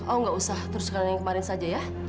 oh gak usah teruskan yang kemarin saja ya